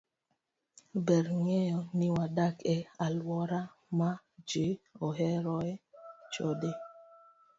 Ber ng'eyo ni wadak e alwora ma ji oheroe chode.